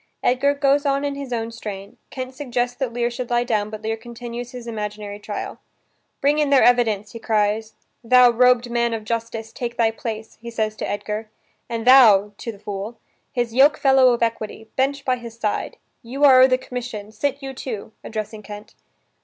Edgar goes on in his own strain. Kent suggests that Lear should lie down, but Lear continues his imaginary trial: "Bring in their evidence," he cries. "Thou robed man of justice, take thy place," he says to Edgar, "and thou" (to the fool) "his yoke fellow of equity, bench by his side. You are o' the commission, sit you too," addressing Kent.